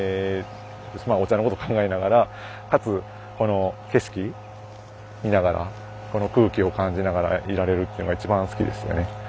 お茶のことを考えながらかつこの景色見ながらこの空気を感じながらいられるっていうのが一番好きですね。